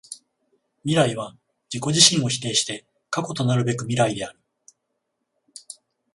未来は自己自身を否定して過去となるべく未来である。